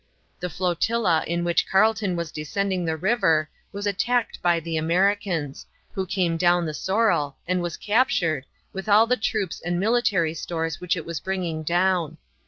The flotilla in which Carleton was descending the river was attacked by the Americans, who came down the Sorrel, and was captured, with all the troops and military stores which it was bringing down.